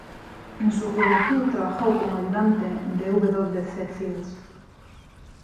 En su juventud trabajó como ayudante de W. C. Fields.